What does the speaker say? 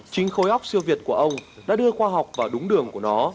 chính khối óc siêu việt của ông đã đưa khoa học vào đúng đường